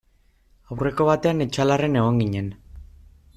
Aurreko batean Etxalarren egon ginen.